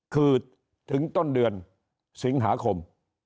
คือถึงต้นเดือนสิงหาคม